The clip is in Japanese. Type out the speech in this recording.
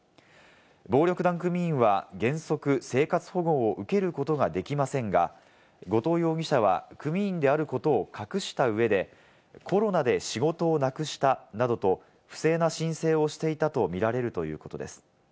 暴力団組員は原則、生活保護を受けることができませんが後藤容疑者は組員であることを隠した上でコロナで仕事をなくしたなどと、不正な申請をしていたとみられるということです。